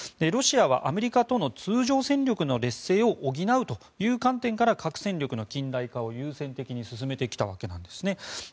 ロシアはアメリカとの通常戦力の劣勢を補うという観点から核戦力の近代化を優先的に進めてきたんですね。